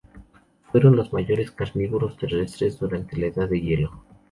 Fueron los mayores carnívoros terrestres durante la edad de hielo.